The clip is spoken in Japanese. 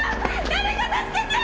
誰か助けて！